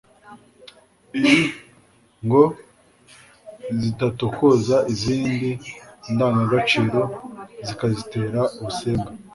i ngo zidatokoza izindi ndangagaciro zikazitera ubusembwa